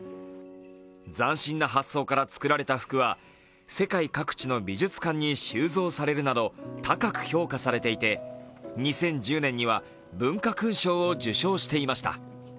斬新な発想から作られた服は世界各地の美術館に収蔵されるなど高く評価されていて、２０１０年には文化勲章を受章していました。